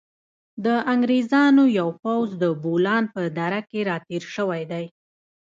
د انګریزانو یو پوځ د بولان په دره کې را تېر شوی دی.